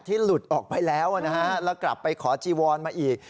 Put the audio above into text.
หลุดออกไปแล้วนะฮะแล้วกลับไปขอจีวอนมาอีก